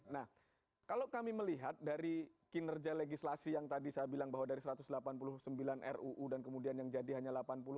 nah kalau kami melihat dari kinerja legislasi yang tadi saya bilang bahwa dari satu ratus delapan puluh sembilan ruu dan kemudian yang jadi hanya delapan puluh delapan